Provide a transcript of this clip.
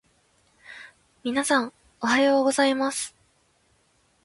皆さん、おはようございます。